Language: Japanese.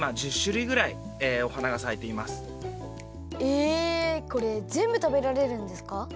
えこれぜんぶ食べられるんですか？